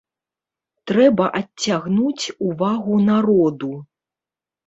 Трэба адцягнуць увагу народу.